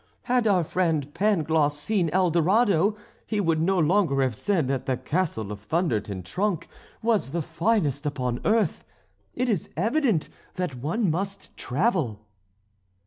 Had our friend Pangloss seen El Dorado he would no longer have said that the castle of Thunder ten Tronckh was the finest upon earth. It is evident that one must travel."